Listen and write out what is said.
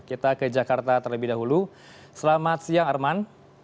kita ke jakarta terlebih dahulu selamat siang arman